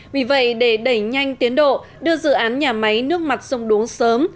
vì vậy để đẩy nhanh tiến độ đưa dự án nhà máy nước mặt sông đuống sớm